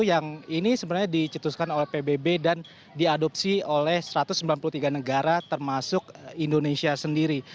yang ini sebenarnya dicetuskan oleh pbb dan diadopsi oleh satu ratus sembilan puluh tiga negara termasuk indonesia sendiri